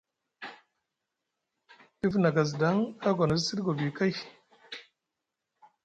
Dif na gaziɗaŋ a gonosi siɗi gobi kay.